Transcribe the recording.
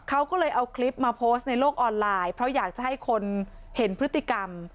เขาก็เลยเอาคลิปมาโพสต์ในโลกออนไลน์เพราะอยากจะให้คนเห็นพฤติกรรม